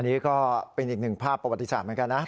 นี่ก็เป็นอีกหนึ่งภาพประวัติศาสตร์เหมือนกันนะ